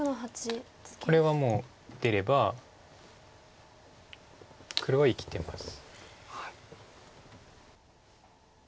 これはもう出れば黒は生きてます。